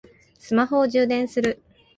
スマホを充電する